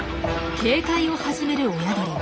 警戒を始める親鳥。